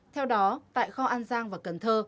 theo đó tại kho an giang và cần thơ